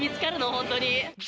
本当に。